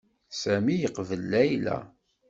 Sami yeqbel Layla.